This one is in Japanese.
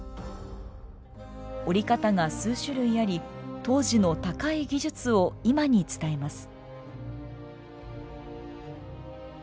折り方が数種類あり当時の高い技術を今に伝えます。